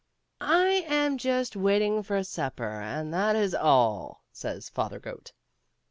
*'" I am just waiting for supper, and that is all," says Father Goat.